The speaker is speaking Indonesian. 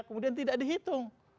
kemudian tidak dihitung